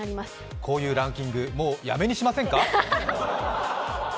こういうランキング、もうやめにしませんか！？